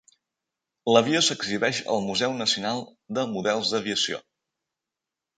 L'avió s'exhibeix al Museu Nacional de Models d'Aviació.